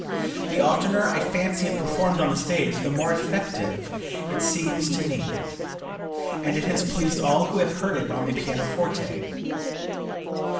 The oftener I fancy it performed on the stage the more effective it seems to me; and it has pleased all who have heard it on the pianoforte.